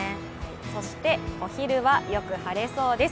そしてお昼はよく晴れそうです。